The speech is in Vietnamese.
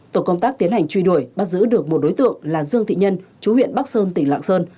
tổ công tác tiến hành truy đuổi bắt giữ được một đối tượng là dương thị nhân chú huyện bắc sơn tỉnh lạng sơn